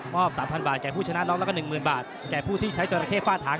มอบ๓๐๐๐บาทแก่ผู้ชนะน้องแล้วก็๑๐๐๐๐บาทแก่ผู้ที่ใช้จอระเข้ฝ่านห่าง